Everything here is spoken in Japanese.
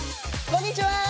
こんにちは。